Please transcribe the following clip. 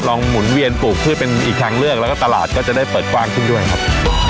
หมุนเวียนปลูกพืชเป็นอีกทางเลือกแล้วก็ตลาดก็จะได้เปิดกว้างขึ้นด้วยครับ